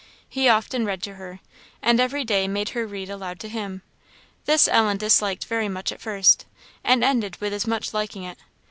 He often read to her, and every day made her read aloud to him. This Ellen disliked very much at first, and ended with as much liking it.